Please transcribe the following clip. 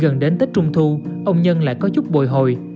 gần đến tết trung thu ông nhân lại có chút bồi hồi